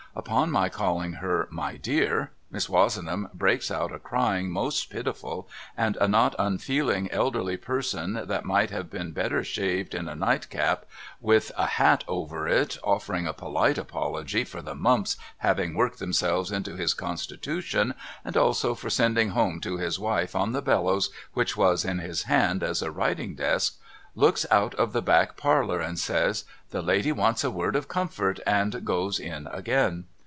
Upon my calling her my dear Miss Wozenham breaks out a crying most pitiful, and a not unfeeling elderly person that might have been better shaved in a nightcap with a hat over it offering a polite apology for the mumps having worked themselves into his constitution, and also for sending home to his wife on the bellows which was in his hand as a writing desk, looks out of the back parlour and says ' The lady wants a word of comfort' and goes in again.